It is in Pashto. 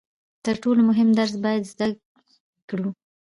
تر ټولو مهم درس باید زده یې کړو.